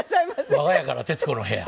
我が家から『徹子の部屋』。